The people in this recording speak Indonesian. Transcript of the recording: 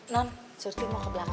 non suruh suruh mau ke belakang ya